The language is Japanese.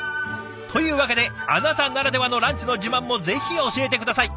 というわけであなたならではのランチの自慢もぜひ教えて下さい。